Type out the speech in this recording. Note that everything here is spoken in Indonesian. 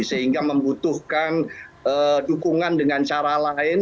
sehingga membutuhkan dukungan dengan cara lain